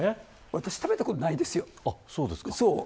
私は食べたことないですよ。